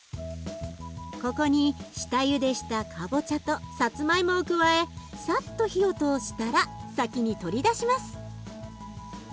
ここに下ゆでしたかぼちゃとサツマイモを加えさっと火を通したら先に取り出します。